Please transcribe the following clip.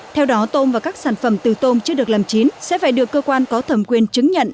theo đó tôm và các sản phẩm từ tôm chưa được làm chín sẽ phải được cơ quan có thẩm quyền chứng nhận